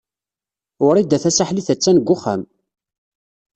Wrida Tasaḥlit a-tt-an deg wexxam.